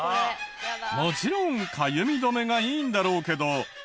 もちろんかゆみ止めがいいんだろうけど。